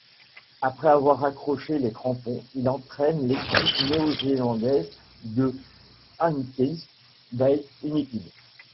Après avoir raccroché les crampons, il entraîne l'équipe néo-zélandaise de Hawke's Bay United.